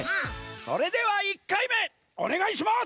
それでは１かいめおねがいします！